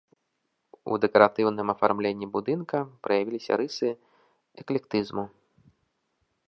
У дэкаратыўным афармленні будынка праявіліся рысы эклектызму.